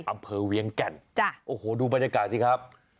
อำเภอเวียงแก่นจ้ะโอ้โหดูบรรยากาศสิครับ